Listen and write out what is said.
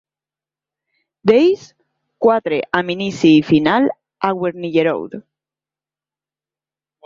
D'ells, quatre amb inici i final a Wernigerode.